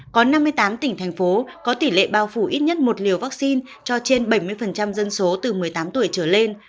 có năm mươi tám tỉnh thành phố có tỷ lệ bao phủ ít nhất một liều vaccine cho trên bảy mươi dân số từ một mươi tám tuổi trở lên